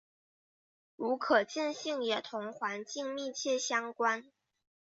如可见性也同环境密切相关。